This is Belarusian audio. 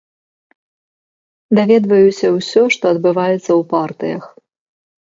Даведваюся ўсё, што адбываецца ў партыях.